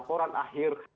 menyampaikan laporan akhir